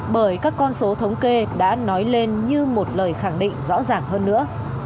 bởi các con số thống kê đã nói lên như một lời khẳng định rõ ràng hơn nữa